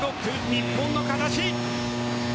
日本の形。